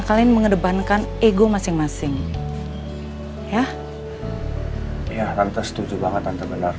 kalian mengedepankan ego masing masing ya tante setuju banget tante benar